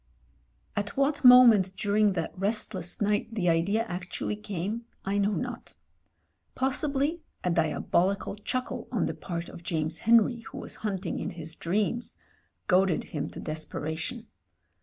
••••• At what moment during that restless night the idea actually came I know not. Possibly a diabolical chuckle on the part of James Henry, who was hunting in his dreams, goaded him to desperation.